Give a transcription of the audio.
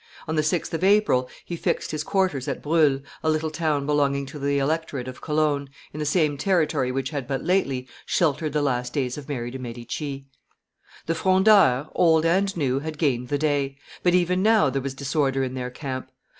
On the 6th of April, he fixed his quarters at Bruhl, a little town belonging to the electorate of Cologne, in the same territory which had but lately sheltered the last days of Mary de' Medici. The Frondeurs, old and new, had gained the day; but even now there was disorder in their camp.